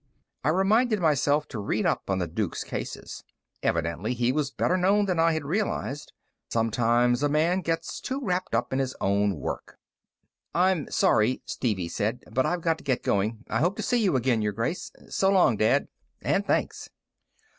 I reminded myself to read up on the Duke's cases. Evidently he was better known than I had realized. Sometimes a man gets too wrapped up in his own work. "I'm sorry," Stevie said, "but I've got to get going. I hope to see you again, Your Grace. So long, Dad and thanks."